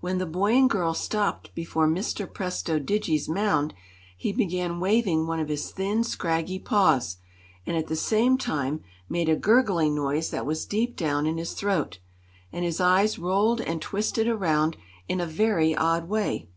When the boy and girl stopped before Mr. Presto Digi's mound, he began waving one of his thin, scraggy paws and at the same time made a gurgling noise that was deep down in his throat. And his eyes rolled and twisted around in a very odd way.